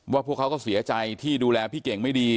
พวกเขาก็เสียใจที่ดูแลพี่เก่งไม่ดี